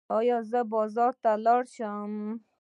ایا زه بازار ته لاړ شم؟